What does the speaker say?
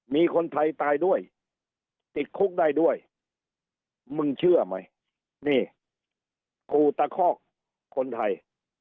มีคนไทยตายด้วยติดคุกได้ด้วยมึงเชื่อไหมนี่กูตะคอกคนไทย